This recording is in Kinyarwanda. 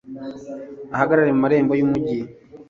ahagarare mu marembo y'umugi